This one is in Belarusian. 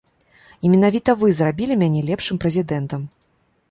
І менавіта вы зрабілі мяне лепшым прэзідэнтам.